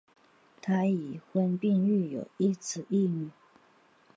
他已婚并育有一子一女。